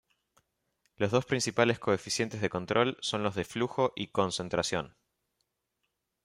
Los dos principales coeficientes de control son los de flujo y concentración.